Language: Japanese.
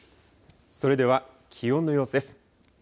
それでは気温の様子です。